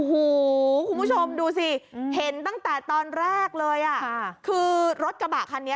โอ้โฮคุณผู้ชมดูสิเฮนตั้งแต่ตอนแรกเลยคือรถกระบาทคันนี้